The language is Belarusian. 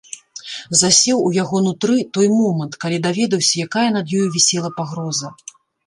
Засеў у яго нутры той момант, калі даведаўся, якая над ёю вісела пагроза.